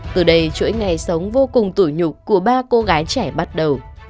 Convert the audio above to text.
từ đây chuỗi ngày sống vô cùng tủi nhục của ba cô gái trẻ bắt đầu